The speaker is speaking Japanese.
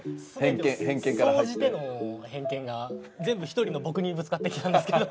総じての偏見が全部一人の僕にぶつかってきたんですけど。